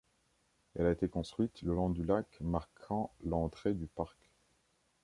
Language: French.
Elle a été construite le long du lac marquant l'entrée du parc.